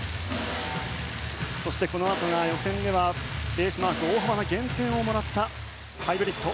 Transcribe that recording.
そして、このあとが予選ではベースマーク大幅な減点をもらったハイブリッド。